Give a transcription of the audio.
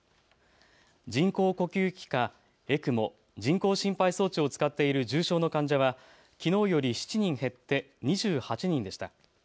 人工呼吸器かＥＣＭＯ・人工心肺装置を使っている重症の患者はきのうより７人減って２８人でした。